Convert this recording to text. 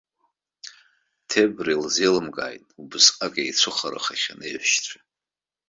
Ҭебра илзеилымкааит, убасҟак еицәыхарахахьан аеҳәшьцәа.